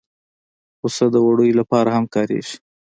پسه د وړیو لپاره هم کارېږي.